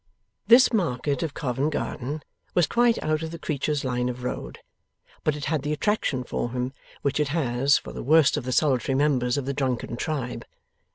This market of Covent Garden was quite out of the creature's line of road, but it had the attraction for him which it has for the worst of the solitary members of the drunken tribe.